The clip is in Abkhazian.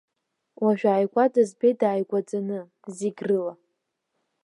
Уажәааигәа дызбеит дааигәаӡаны, зегь рыла.